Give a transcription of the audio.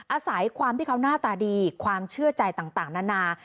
อาศัยความที่เขาหน้าตาดีความเชื่อใจต่างนานา